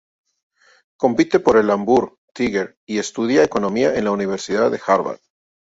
Compite por el Auburn Tigers y estudia Economía en la Universidad de Harvard.